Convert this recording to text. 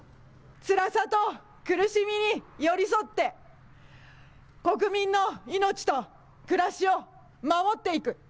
つらさと苦しみに寄り添って国民の命と暮らしを守っていく。